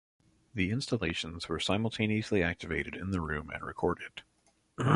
The installations were simultaneously activated in the room and recorded.